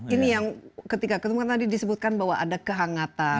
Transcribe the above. ini yang ketika ketemu kan tadi disebutkan bahwa ada kehangatan